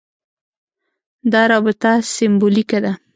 دا رابطه سېمبولیکه ده.